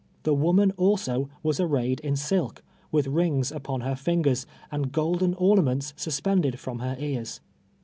The woman also was arrayed in silk, with rings upon her fingers, and golden ornaments sus pended from her ears.